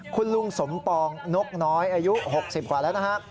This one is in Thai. คุณลุงสมปองนกน้อยอายุ๖๐กว่าแล้วนะครับ